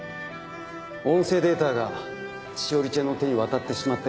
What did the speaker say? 音声データが詩織ちゃんの手に渡ってしまった